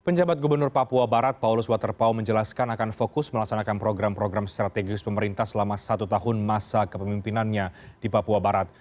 penjabat gubernur papua barat paulus waterpau menjelaskan akan fokus melaksanakan program program strategis pemerintah selama satu tahun masa kepemimpinannya di papua barat